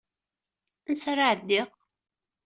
Ansa ara ɛeddiɣ?